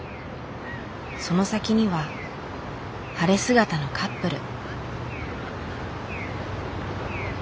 その先には晴れ姿のカップル。